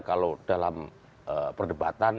kalau dalam perdebatan